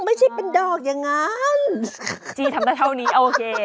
ไม่ใช่เป็นดอกอย่างนั้นจี้ทำได้เท่านี้โอเค